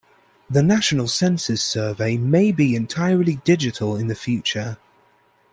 The national census survey may be entirely digital in the future.